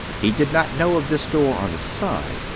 He did not know of this door on the side.